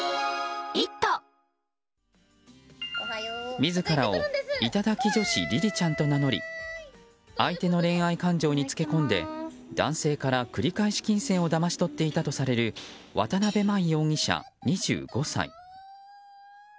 自らを頂き女子りりちゃんと名乗り相手の恋愛感情につけ込んで男性から繰り返し金銭をだまし取っていたとされる渡辺真衣容疑者、２５歳。